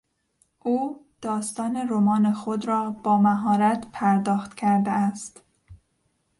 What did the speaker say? او داستان رمان خود را با مهارت پرداخت کرده است.